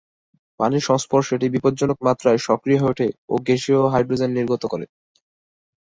পানির সংস্পর্শে এটি বিপজ্জনক মাত্রায় সক্রিয় হয়ে ওঠে ও গ্যাসীয় হাইড্রোজেন নির্গত করে।